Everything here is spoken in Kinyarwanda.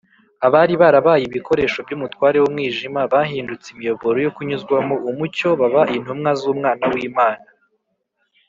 abari barabaye ibikoresho by’umutware w’umwijima, bahindutse imiyoboro yo kunyuzwamo umucyo baba intumwa z’umwana w’imana